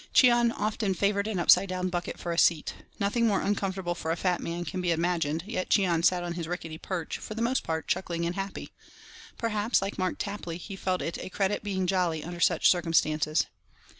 Cheon often favoured an upside down bucket for a seat. Nothing more uncomfortable for a fat man can be imagined, yet Cheon sat on his rickety perch, for the most part chuckling and happy. Perhaps, like Mark Tapley, he felt it a "credit being jolly" under such circumstances.